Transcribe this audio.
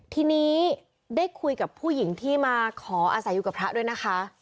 ทีนี้ได้คุยกับผู้หญิงที่มาขออาศัยอยู่กับพระด้วยนะคะ